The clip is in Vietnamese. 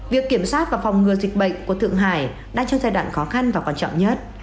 việc kiểm soát và phòng ngừa dịch bệnh của thượng hải đang trong giai đoạn khó khăn và quan trọng nhất